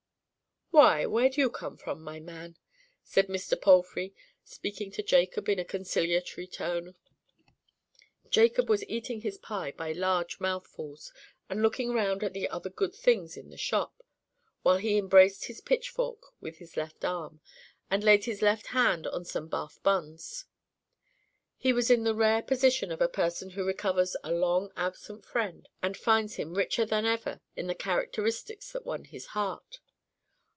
"Why, where do you come from, my man?" said Mr. Palfrey, speaking to Jacob in a conciliatory tone. Jacob was eating his pie by large mouthfuls, and looking round at the other good things in the shop, while he embraced his pitchfork with his left arm, and laid his left hand on some Bath buns. He was in the rare position of a person who recovers a long absent friend and finds him richer than ever in the characteristics that won his heart.